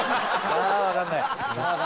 さあわかんない。